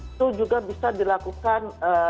itu juga bisa dilakukan